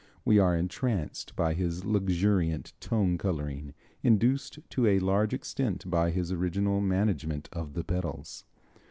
We are entranced by his luxuriant tone coloring, induced to a large extent by his original management of the pedals.